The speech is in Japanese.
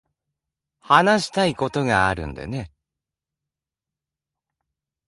話したいことがあるんでね。